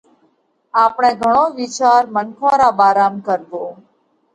آپڻئہ گھڻو وِيچار منکون را ڀارام ڪروو،